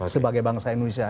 sebagai bangsa indonesia